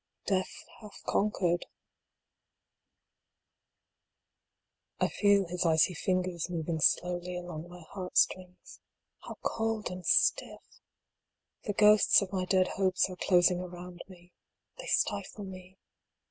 Death hath conquered ! I feel his icy fingers moving slowly along my heart strings. How cold and stiff ! The ghosts of my dead hopes are closing around me. They stifle me.